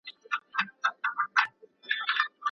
لمر د نظام شمسي مرکز دی.